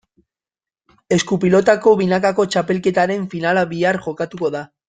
Esku-pilotako binakako txapelketaren finala bihar jokatuko da.